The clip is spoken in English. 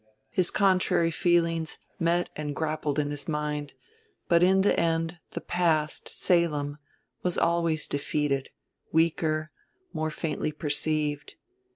His contrary feelings met and grappled in his mind; but in the end the past, Salem, was always defeated, weaker, more faintly perceived.